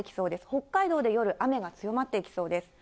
北海道で夜、雨が強まっていきそうです。